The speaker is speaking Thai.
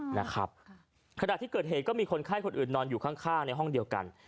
ขนาดที่เกิดเหตุก็มีคนไข้คนอื่นนอนอยู่ข้างในห้องเดียวกัน